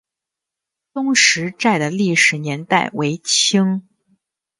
东石寨的历史年代为清。